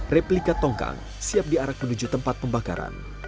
replika tongkang siap diarak menuju tempat pembakaran